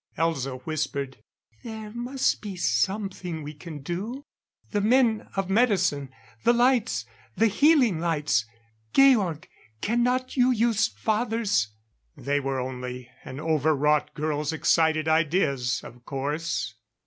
Elza whispered: "There must be something we can do. The men of medicine the lights the healing lights! Georg! Cannot you use father's " They were only an overwrought girl's excited ideas, of course.